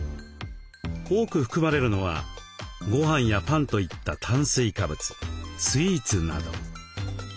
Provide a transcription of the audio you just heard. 多く含まれるのはごはんやパンといった炭水化物スイーツなど。